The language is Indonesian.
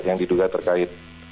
yang diduga terkait